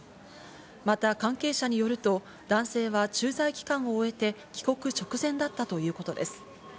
また関係者によると、男性は駐在期間を終えて、帰国直前だったということです。